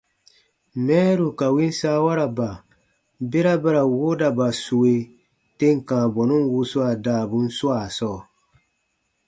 Mɛɛru ka win saawaraba, bera ba ra woodaba sue tem kãa bɔnun wuswaa daabun swaa sɔɔ.